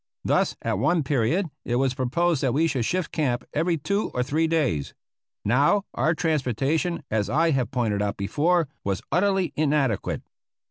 Thus, at one period it was proposed that we should shift camp every two or three days. Now, our transportation, as I have pointed out before, was utterly inadequate.